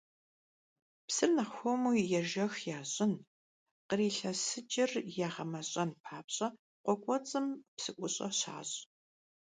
Псыр нэхъ хуэму ежэх ящӀын, кърилъэсыкӀыр ягъэмэщӀэн папщӀэ къуэ кӀуэцӀым псыӀущӀэ щащӀ.